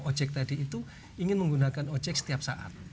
ojek tadi itu ingin menggunakan ojek setiap saat